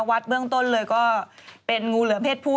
วัดเบื้องต้นเลยก็เป็นงูเหลือมเพศผู้